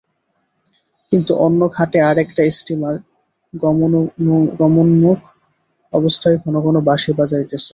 কিন্তু অন্য ঘাটে আর-একটা স্টীমার গমনোন্মুখ অবস্থায় ঘন ঘন বাঁশি বাজাইতেছে।